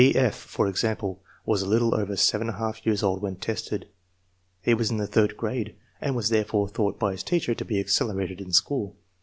B. F., for example, was a little over 7J^ years old when tested. He was in the third grade, and was therefore thought by his teacher to be accelerated in s.chool.